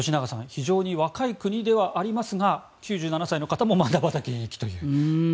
非常に若い国ではありますが９７歳の方もまだまだ現役という。